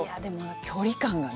距離感がね。